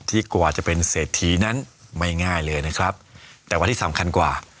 กว่าจะเป็นเศรษฐีนั้นไม่ง่ายเลยนะครับแต่ว่าที่สำคัญกว่า